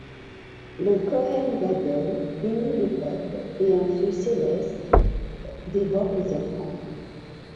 Le Cohen Gadol bénit le peuple, et un feu céleste dévore les offrandes.